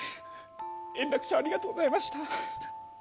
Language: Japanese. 円楽師匠、ありがとうございました。